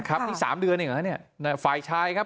ครับที่๓เดือนอีกแล้วเนี้ยฝ่ายชายครับ